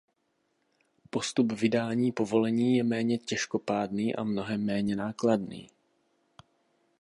Postup vydání povolení je méně těžkopádný a mnohem méně nákladný.